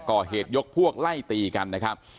ก่อเหตุยกพวกไล่ตีกันนะครับ